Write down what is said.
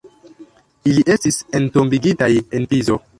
Ili estis entombigitaj en Pizo.